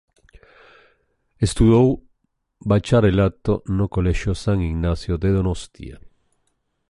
Estudou bacharelato no colexio San Ignacio de Donostia.